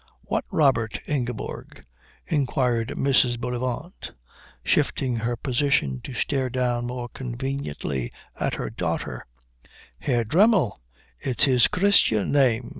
"What Robert, Ingeborg?" inquired Mrs. Bullivant, shifting her position to stare down more conveniently at her daughter. "Herr Dremmel. It's his Christian name.